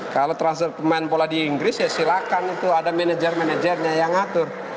kalau transfer pemain bola di inggris ya silakan itu ada manajer manajernya yang ngatur